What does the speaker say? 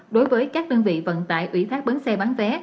đối với các đơn vị vận tải ủy thác bến xe bán vé